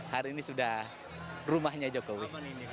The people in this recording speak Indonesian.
hari ini sudah rumahnya jokowi